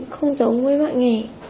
không giống với mọi nghề